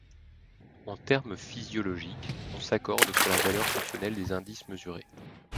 En terme physiologique, on s’accorde sur la valeur fonctionnelle des indices mesurés.